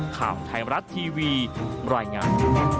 ข่าวไทยมรัฐทีวีรายงาน